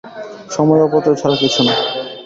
সময় অপচয় ছাড়া কিছু না।